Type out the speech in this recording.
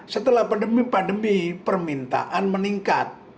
setelah pandemi pandemi permintaan meningkat